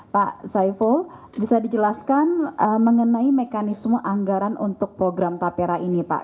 pak saiful bisa dijelaskan mengenai mekanisme anggaran untuk program tapera ini pak